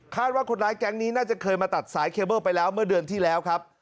ว่าคนร้ายแก๊งนี้น่าจะเคยมาตัดสายเคเบิ้ลไปแล้วเมื่อเดือนที่แล้วครับ